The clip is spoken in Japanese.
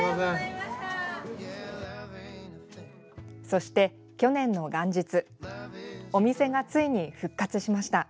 そして去年の元日お店が、ついに復活しました。